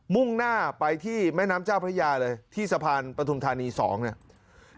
มุ่งหน้าไปที่แม่น้ำเจ้าพระยาเลยที่สะพานปฐุมธานี๒เนี่ย